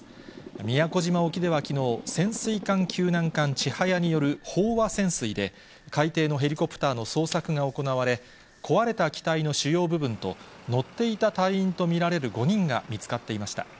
宮古島沖ではきのう、潜水艦救難艦ちはやによる飽和潜水で、海底のヘリコプターの捜索が行われ、壊れた機体の主要部分と、乗っていた隊員と見られる５人が見つかっていました。